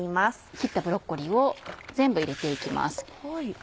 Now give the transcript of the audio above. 切ったブロッコリーを全部入れて行きます。